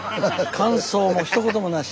感想もひと言もなし。